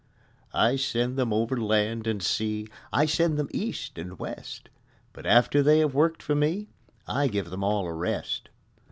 I send them over land and sea, I send them east and west; But after they have worked for me, I give them all a rest.